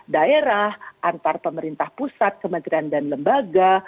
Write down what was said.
daerah antar pemerintah pusat kementerian dan lembaga